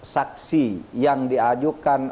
saksi yang diajukan